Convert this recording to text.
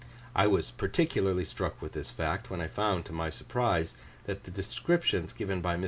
I was particularly struck with this fact, when I found, to my surprise, that the descriptions given by MM.